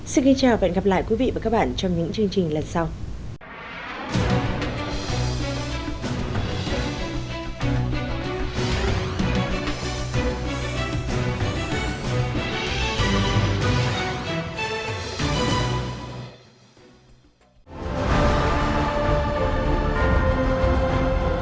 xin kính chào và hẹn gặp lại quý vị và các bạn trong những chương trình lần sau